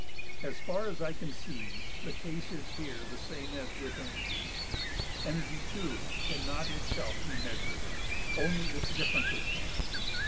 As far as I can see the case is here the same as with energy. Energy, too, cannot itself be measured; only its differences can.